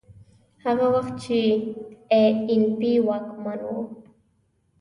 هغه وخت چې اي این پي واکمن و.